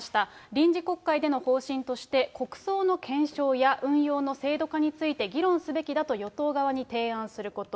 臨時国会での方針として、国葬の検証や運用の制度化について議論すべきだと与党側に提案すること。